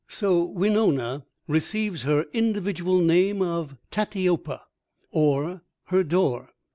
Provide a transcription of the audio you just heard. So Winona receives her individual name of Tatiyopa, or Her Door.